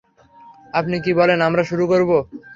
আপনি কি বলেন আমরা শুরু করব?